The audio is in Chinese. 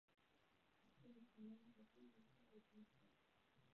这跟台湾的金门颇为相似。